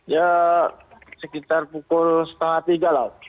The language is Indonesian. ya sekitar pukul setengah tiga lah